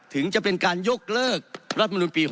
ถึงจะเป็นการยกเลิกรัฐมนุนปี๖๐